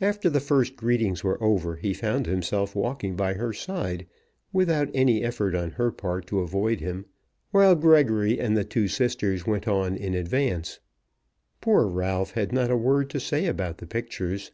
After the first greetings were over he found himself walking by her side without any effort on her part to avoid him, while Gregory and the two sisters went on in advance. Poor Ralph had not a word to say about the pictures.